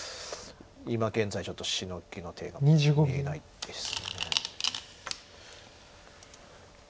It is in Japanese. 今現在ちょっとシノギの手が見えないです。